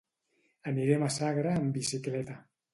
Anirem a Sagra amb bicicleta.